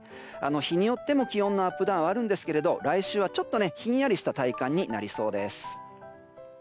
日によっても気温のアップダウンはあるんですが来週は、ちょっとひんやりした体感になりそうです。